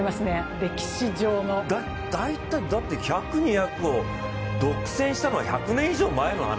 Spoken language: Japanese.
だって、１００、２００を独占したのは１００年以上前の話。